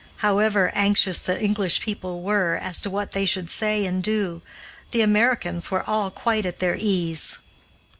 However anxious the English people were as to what they should say and do, the Americans were all quite at their ease.